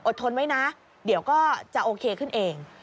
ทนไว้นะเดี๋ยวก็จะโอเคขึ้นเอง